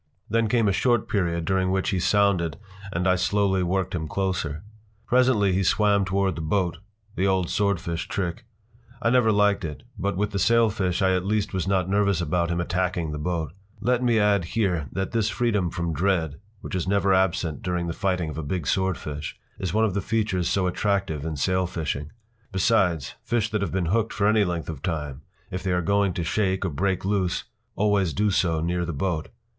Then came a short period during which he sounded and I slowly worked him closer. Presently he swam toward the boat—the old swordfish trick. I never liked it, but with the sailfish I at least was not nervous about him attacking the boat. Let me add here that this freedom from dread—which is never absent during the fighting of a big swordfish—is one of the features so attractive in sailfishing. Besides, fish that have been hooked for any length of time, if they are going to shake or break loose, always do so near the boat.